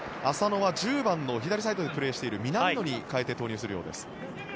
浅野は１０番の左サイドでプレーしている南野に代えて投入するようです。